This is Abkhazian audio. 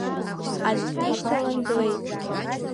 Аӡә дишьҭалан длеит…